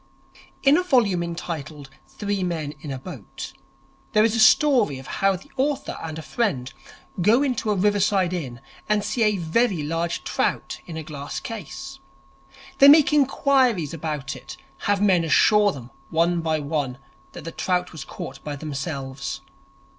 In a volume entitled 'Three Men in a Boat' there is a story of how the author and a friend go into a riverside inn and see a very large trout in a glass case. They make inquiries about it, have men assure them, one by one, that the trout was caught by themselves.